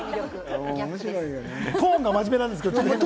トーンが真面目なんですけれどもね。